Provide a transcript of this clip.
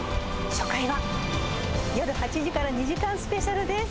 初回はよる８時から２時間スペシャルです。